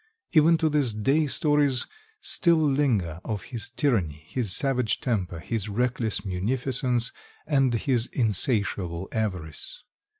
Even to this day stories still linger of his tyranny, his savage temper, his reckless munificence, and his insatiable avarice.